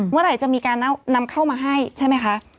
เมื่อไหร่จะมีการนำเข้ามาให้ใช่ไหมคะ